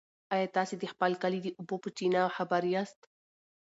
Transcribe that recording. ایا تاسي د خپل کلي د اوبو په چینه خبر یاست؟